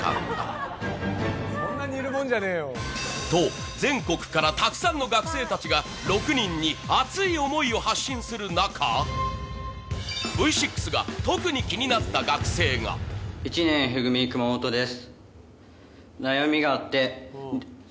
と全国からたくさんの学生たちが６人に熱い思いを発信する中、Ｖ６が特に気になった学生が１年Ｆ組、熊本です。